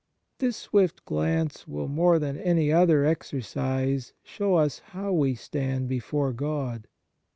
This swift glance will more than any other exercise show us how we stand before God.